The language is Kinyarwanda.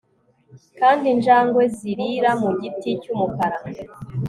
kandi injangwe zirira mu giti cyumukara